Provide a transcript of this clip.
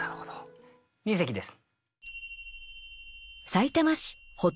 二席です。